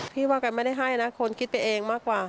พี่ว่ากันไม่ได้ให้นะคนคิดไปเองมากกว่า